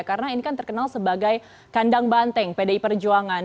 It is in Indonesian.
karena ini kan terkenal sebagai kandang banteng pdi perjuangan